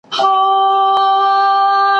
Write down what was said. عربي هېوادونو ته هم زعفران صادرېږي.